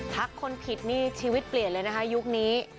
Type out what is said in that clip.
พักคนผิดนี่ชีวิตเปลี่ยนเลยนะคะยุคนี้